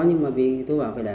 nhưng mà vì tôi bảo phải để